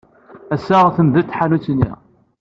Ass-a, temdel tḥanut-nni.